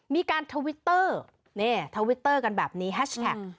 ทวิตเตอร์นี่ทวิตเตอร์กันแบบนี้แฮชแท็ก